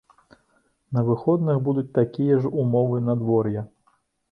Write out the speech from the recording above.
На выходных будуць такія ж умовы надвор'я.